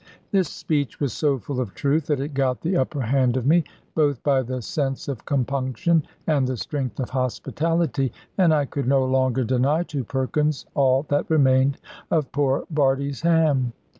This speech was so full of truth that it got the upper hand of me, both by the sense of compunction and the strength of hospitality, and I could no longer deny to Perkins all that remained of poor Bardie's ham.